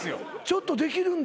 ちょっとできるんだ。